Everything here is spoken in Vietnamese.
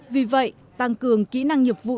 vì vậy tăng cường kỹ năng nhiệp vụ